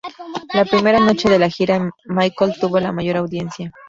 La primera noche de la gira Michael tuvo la mayor audiencia.